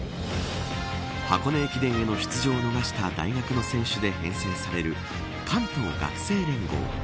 箱根駅伝の出場を逃した大学の選手で編成される関東学生連合。